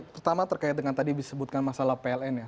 pertama terkait dengan tadi disebutkan masalah pln ya